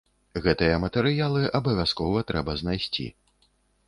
Гэтыя матэрыялы абавязкова трэба знайсці.